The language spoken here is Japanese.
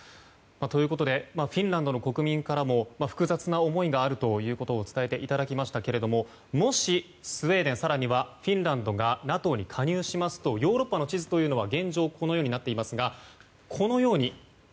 ということでフィンランドの国民からも複雑な思いがあるということを伝えていただきましたけれどももしスウェーデン更にはフィンランドがＮＡＴＯに加入しますとヨーロッパの地図はこのように変わってきます。